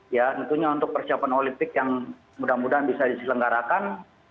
ya tentunya untuk persiapan olimpik yang mudah mudahan bisa diselenggarakan